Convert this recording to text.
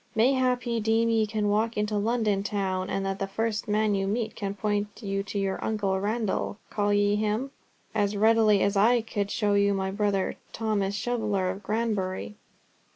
Mayhap ye deem ye can walk into London town, and that the first man you meet can point you to your uncle—Randall call ye him?—as readily as I could show you my brother, Thomas Shoveller of Granbury.